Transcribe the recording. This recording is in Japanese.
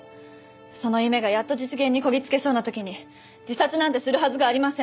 その夢がやっと実現にこぎ着けそうな時に自殺なんてするはずがありません。